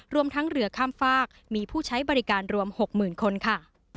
รวมทั้งเรือข้ามฝากมีผู้ใช้บริการรวม๖๐๐๐คนค่ะ